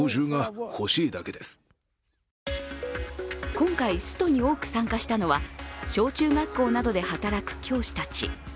今回、ストに多く参加したのは小中学校などで働く教師たち。